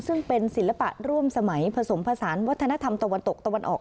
ซึ่งเป็นศิลปะร่วมสมัยผสมผสานวัฒนธรรมตะวันตกตะวันออก